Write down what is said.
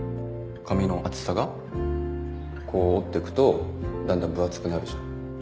こう折ってくとだんだん分厚くなるじゃん。